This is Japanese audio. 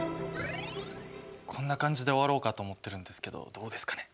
こんな感じで終わろうかと思ってるんですけどどうですかね？